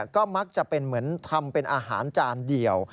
ก็มักจะเป็นเหมือนทำเป็นอาหารจานเดียว